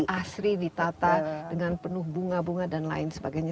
asri ditata dengan penuh bunga bunga dan lain sebagainya